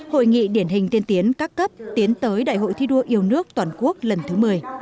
hội nghị điển hình tiên tiến các cấp tiến tới đại hội thi đua yêu nước toàn quốc lần thứ một mươi